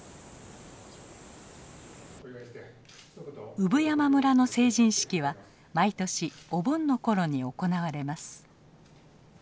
産山村の成人式は毎年お盆の頃に行われます。